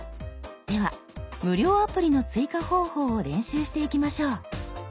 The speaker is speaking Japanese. では無料アプリの追加方法を練習していきましょう。